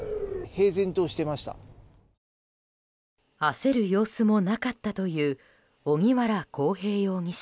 焦る様子もなかったという荻原航平容疑者。